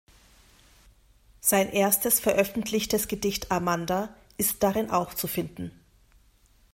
Sein erstes veröffentlichtes Gedicht "Amanda" ist darin auch zu finden.